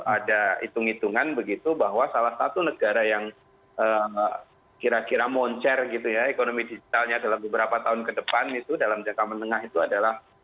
ada hitung hitungan begitu bahwa salah satu negara yang kira kira moncer gitu ya ekonomi digitalnya dalam beberapa tahun ke depan itu dalam jangka menengah itu adalah